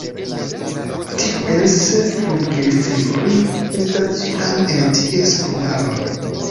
Ties flugilstrioj estas ĉiam en ties plumaroj.